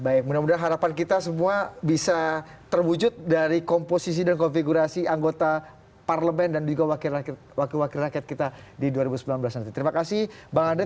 baik mudah mudahan harapan kita semua bisa terwujud dari komposisi dan konfigurasi anggota parlemen dan juga wakil wakil rakyat kita di dua ribu sembilan belas nanti terima kasih bang andre